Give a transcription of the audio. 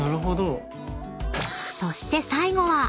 ［そして最後は］